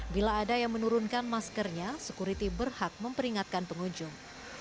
bila ada yang menurunkan maskernya sekuriti berhak memperingatkan pengunjung